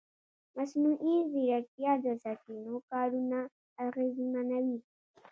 مصنوعي ځیرکتیا د سرچینو کارونه اغېزمنوي.